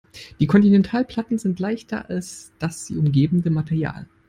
Die Kontinentalplatten sind leichter als das sie umgebende Material.